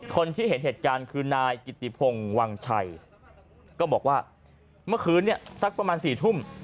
คนที่เห็นเหตุการณ์คือนายกิติพงศ์วังชัยก็บอกว่าเมื่อคืนเนี่ยสักประมาณ๔ทุ่ม